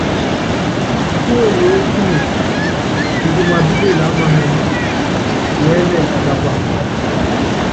Túóyoósíne, kikuma pípéle á manúŋɔ́, kiɛ́nɛ tikápa.